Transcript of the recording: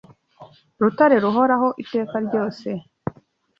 Rutare ruhoraho iteka ryose